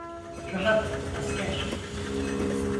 Rahat, asker.